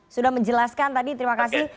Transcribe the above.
sudah menjelaskan tadi terima kasih